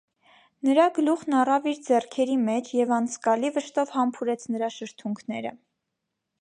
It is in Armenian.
Նրա գլուխն առավ իր ձեռքերի մեջ և անձկալի վշտով համբուրեց նրա շրթունքները: